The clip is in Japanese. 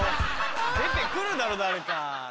出て来るだろ誰か。